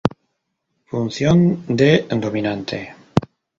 Función de dominante.